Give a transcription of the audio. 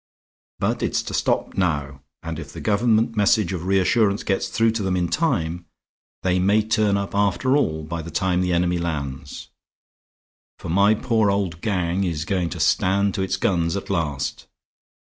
But it's to stop now; and if the government message of reassurance gets through to them in time, they may turn up after all by the time the enemy lands. For my poor old gang is going to stand to its guns at last.